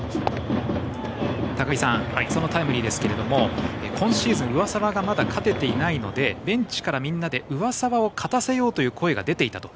高木さんそのタイムリーですが今シーズン、上沢がまだ勝てていないのでベンチからみんなで上沢を勝たせようという声が出ていたと。